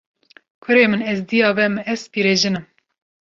Kurê min, ez dêya we me, ez pîrejin im